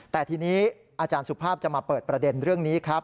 แต่ทีนี้อาจารย์สุภาพจะมาเปิดประเด็นเรื่องนี้ครับ